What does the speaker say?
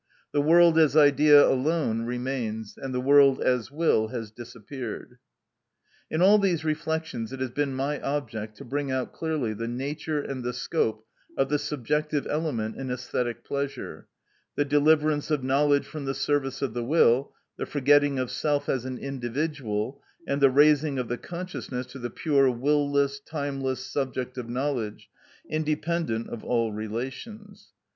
The world as idea alone remains, and the world as will has disappeared. In all these reflections it has been my object to bring out clearly the nature and the scope of the subjective element in æsthetic pleasure; the deliverance of knowledge from the service of the will, the forgetting of self as an individual, and the raising of the consciousness to the pure will less, timeless, subject of knowledge, independent of all relations.